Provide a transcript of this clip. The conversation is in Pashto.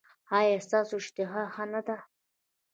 ایا ستاسو اشتها ښه نه ده؟